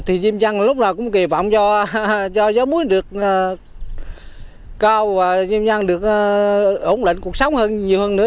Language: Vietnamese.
thì diêm dân lúc nào cũng kỳ vọng cho gió muối được cao và diêm dân được ổn định cuộc sống nhiều hơn nữa